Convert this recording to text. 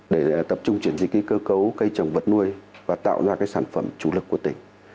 để tập trung chuyển dịch cơ cấu cây trồng vật nuôi và tạo ra sản phẩm chủ lực của tỉnh